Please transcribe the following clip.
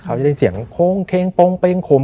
เขาจะได้เสียงโค้งเค้งปงเป็งขม